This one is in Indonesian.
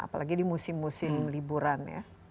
apalagi di musim musim liburan ya